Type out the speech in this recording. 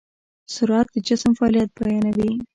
سرعت د جسم فعالیت بیانوي.